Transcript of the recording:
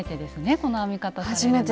この編み方されるのは。